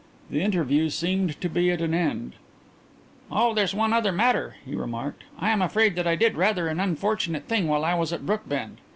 The interview seemed to be at an end. "Oh, there's one other matter," he remarked. "I am afraid that I did rather an unfortunate thing while I was at Brookbend.